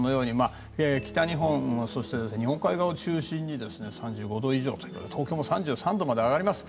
北日本、日本海側を中心に３５度以上と東京も３３度まで上がります。